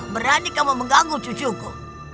berani kamu mengganggu cucuku